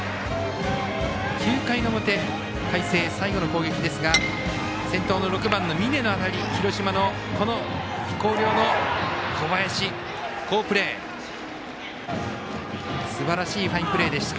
９回の表海星最後の攻撃ですが先頭の６番の峯の当たり広陵の小林好プレーすばらしいファインプレーでした。